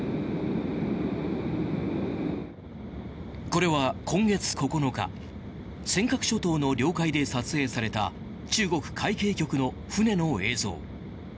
これは、今月９日尖閣諸島の領海で撮影された中国海警局の船の映像。